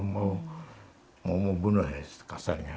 mau membunuh kasarnya